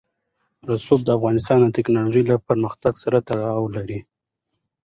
رسوب د افغانستان د تکنالوژۍ له پرمختګ سره تړاو لري.